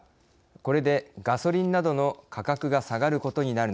これでガソリンなどの価格が下がることになるのか。